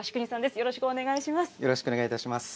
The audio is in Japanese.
よろしくお願いします。